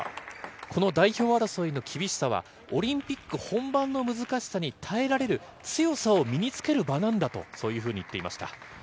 この代表争いの厳しさは、オリンピック本番の難しさに耐えられる強さを身につける場なんだと、そういうふうに言っていました。